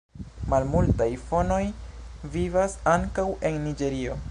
Malmultaj fonoj vivas ankaŭ en Niĝerio.